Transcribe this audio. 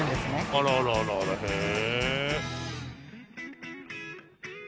あらあらあらあらへえ。